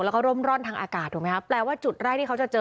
แล้วก็ร่มร่อนทางอากาศถูกไหมครับแปลว่าจุดแรกที่เขาจะเจอ